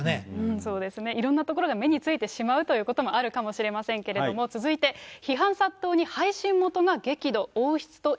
そうですね、いろんなところが目についてしまうということもあるかもしれませんけれども、続いて、批判殺到に配信元が激怒。